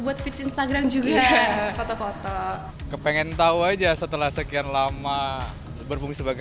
buat fit instagram juga foto foto ke pengen tahu aja setelah sekian lama berfungsi sebagai